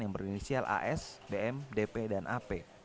yang berinisial as bm dp dan ap